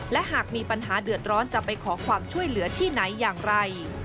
และหากมีปัญหาเดือดร้อนจะไปขอความช่วยเหลือที่ไหนอย่างไร